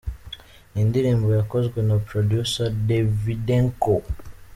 Ni indirimbo yakozwe na Producer Davydenko.